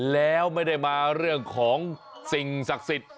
แล้วไม่ได้มาเรื่องของสิ่งศักดิ์สิทธิ์